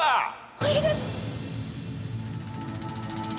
お願いします！